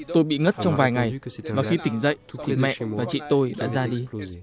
tôi bị ngất trong vài ngày và khi tỉnh dậy thì mẹ và chị tôi đã ra đi